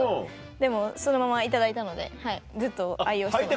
でもそのまま頂いたのでずっと愛用してます。